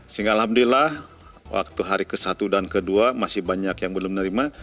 sehingga alhamdulillah waktu hari ke satu dan ke dua masih banyak yang belum menerima